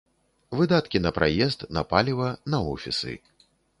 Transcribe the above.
Выдаткі на праезд, на паліва, на офісы.